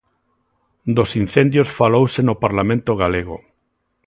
Dos incendios falouse no Parlamento galego.